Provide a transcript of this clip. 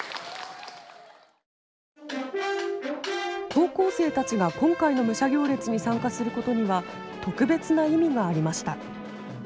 高校生たちが今回の武者行列に参加することには特別な意味がありました。